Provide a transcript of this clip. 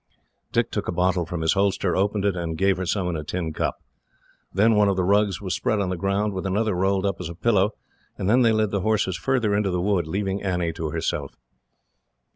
Dick took a bottle from his holster, opened it, and gave her some in a tin cup. Then one of the rugs was spread on the ground, with another one rolled up as a pillow, and then they led the horses farther into the wood, leaving Annie to herself.